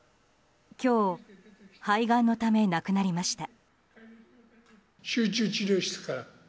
今日、肺がんのため亡くなりました。